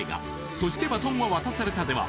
「そして、バトンは渡された」では